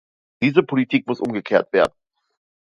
Diese Politik muss umgekehrt werden.